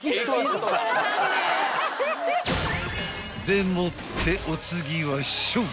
［でもってお次はショー］